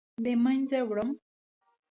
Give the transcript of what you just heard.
د مینځه وړم